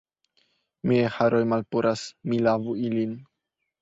Miaj haroj malpuras. Mi lavu ilin.